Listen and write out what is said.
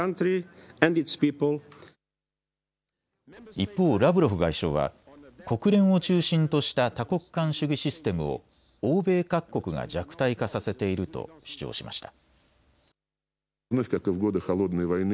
一方、ラブロフ外相は国連を中心とした多国間主義システムを欧米各国が弱体化させていると主張しました。